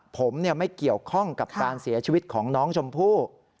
ผมไม่เกี่ยวข้องกับการเสียชีวิตของน้องชมพู่